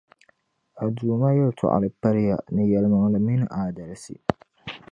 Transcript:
A Duuma yεltɔɣali paliya ni yεlimaŋli mini aadalsi.